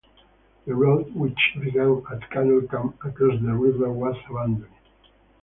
The road, which began at Canol Camp across the river, was abandoned.